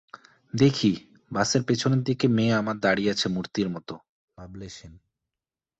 দেখি, বাসের পেছন দিকে মেয়ে আমার দাঁড়িয়ে আছে মূর্তির মতো, ভাবলেশহীন।